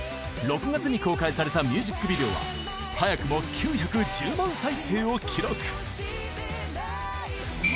６月に公開されたミュージックビデオは早くも９１０万再生を記録